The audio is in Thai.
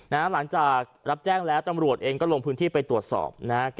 หลังจากรับแจ้งแล้วตำรวจเองก็ลงพื้นที่ไปตรวจสอบนะฮะ